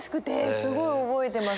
すごい覚えてます。